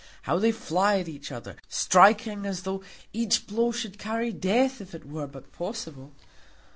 How they fly at each other, striking as though each blow should carry death if it were but possible!